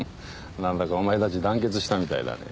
なんだかお前たち団結したみたいだね